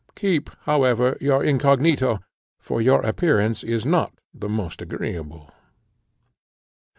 Keep, however, your incognito, for your appearance is not the most agreeable."